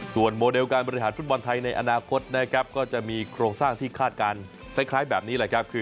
ส่วนโมเดลการบริหารฟุตบอลไทยในอนาคตก็จะมีโครงสร้างที่คาดการณ์คล้ายแบบนี้